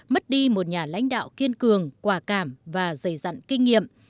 mất đi một nhà lãnh đạo kiên cường quả cảm và dày dặn kinh nghiệm